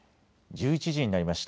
１１時になりました。